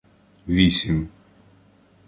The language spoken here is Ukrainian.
Вісім